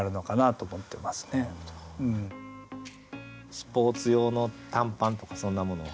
スポーツ用の短パンとかそんなものを履かれた？